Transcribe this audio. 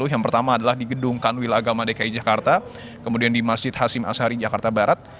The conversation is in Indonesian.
yang pertama adalah di gedungkan wilagama dki jakarta kemudian di masjid hasim asari jakarta barat